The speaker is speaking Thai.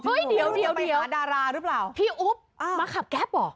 เฮ้ยเดี๋ยวพี่อุ๊บมาขับแก๊ปหรอ